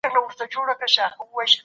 تاسو ولي د تعلیم اهمیت ته پام نه کوئ؟